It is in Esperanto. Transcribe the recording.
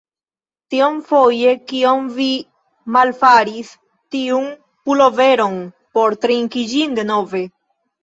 Tiomfoje kiom vi malfaris tiun puloveron por triki ĝin denove.